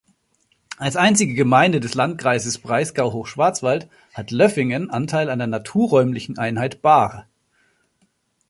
Als einzige Gemeinde des Landkreises Breisgau-Hochschwarzwald hat Löffingen Anteil an der naturräumlichen Einheit Baar.